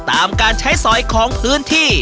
การใช้สอยของพื้นที่